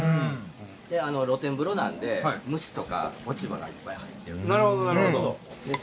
であの露天風呂なんで虫とか落ち葉がいっぱい入ってるのでそれを。